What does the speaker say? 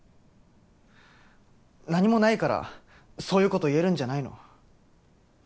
何もないからそういうこと言えるんじゃないの？